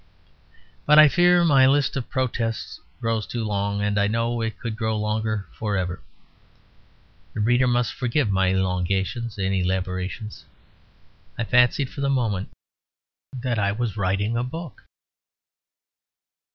But I fear my list of protests grows too long; and I know it could grow longer for ever. The reader must forgive my elongations and elaborations. I fancied for the moment that I was writing a book.